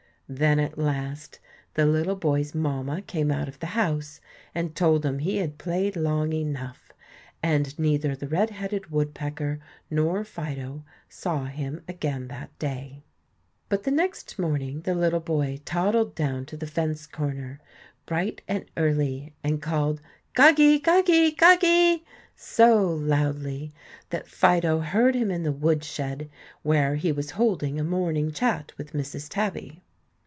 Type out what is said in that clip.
Then, at last, the little boy's mamma came out of the house and told him he had played long enough; and neither the red headed woodpecker nor Fido saw him again that day. But the next morning the little boy toddled down to the fence corner, bright and early, and called, "Goggie! goggie! goggie!" so loudly, that Fido heard him in the wood shed, where he was holding a morning chat with Mrs. Tabby.